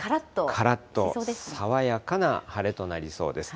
からっと爽やかな晴れとなりそうです。